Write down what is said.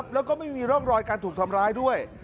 แล้วก็ไม่มีร่องรอยการถูกทำร้ายด้วย